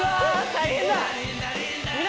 大変だ！